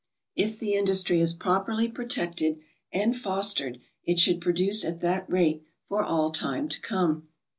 If the industry is properly protected and fostered it should produce at that rate for all time to come.